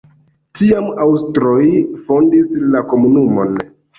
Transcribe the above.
Tiam aŭstroj fondis la komunumon.